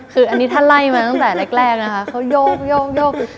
คืออันนี้ถ้าไล่มาตั้งแต่แรกเค้ายวกยวก